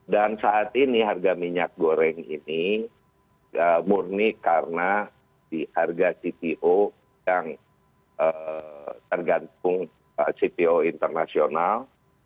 dan saat ini harga minyak goreng ini murni karena di harga cpo yang tergantung cpo internasional